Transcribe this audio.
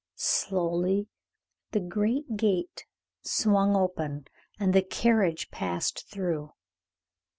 Slowly the great gate swung open, and the carriage passed through.